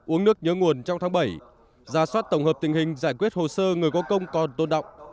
uống nước nhớ nguồn trong tháng bảy ra soát tổng hợp tình hình giải quyết hồ sơ người có công còn tôn động